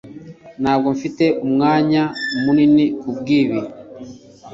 Ntabwo mfite umwanya munini kubwibi